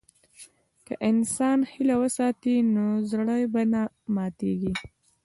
که انسان هیله وساتي، نو زړه به نه ماتيږي.